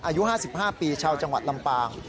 อายุ๕๕ปีชาวจังหวัดลำปาง